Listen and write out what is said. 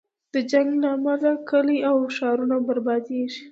د جنګ له امله کلی او ښارونه بربادېږي.